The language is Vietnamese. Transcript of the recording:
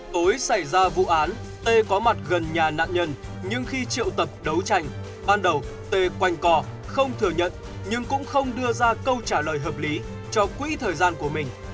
tối xảy ra vụ án t có mặt gần nhà nạn nhân nhưng khi triệu tập đấu tranh ban đầu t quanh co không thừa nhận nhưng cũng không đưa ra câu trả lời hợp lý cho quỹ thời gian của mình